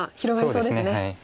そうですね。